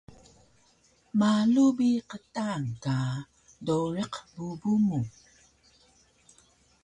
Malu bi qtaan ka dowriq bubu mu